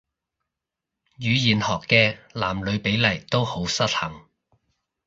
語言學嘅男女比例都好失衡